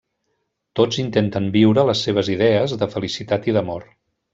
Tots intenten viure les seves idees de felicitat i d'amor.